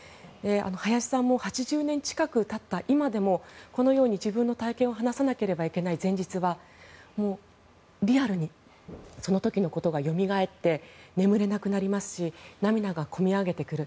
早志さんも８０年近く経った今でもこのように、自分の体験を話さなければいけない前日はリアルに、その時のことがよみがえって眠れなくなりますし涙がこみ上げてくる。